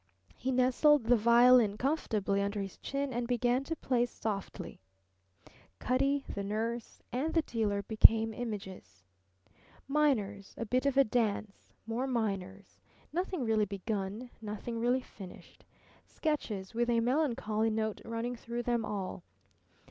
He nestled the violin comfortably under his chin and began to play softly. Cutty, the nurse, and the dealer became images. Minors; a bit of a dance; more minors; nothing really begun, nothing really finished sketches, with a melancholy note running through them all.